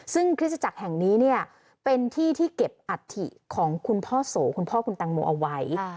ซึ่งคริสตจักรแห่งนี้เนี่ยเป็นที่ที่เก็บอัฐิของคุณพ่อโสคุณพ่อคุณแตงโมเอาไว้